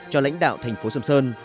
cho lãnh đạo thành phố sầm sơn